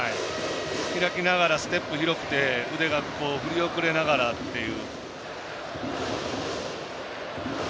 開きながらステップ広くて腕が振り遅れながらという。